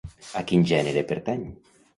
A quin gènere pertany?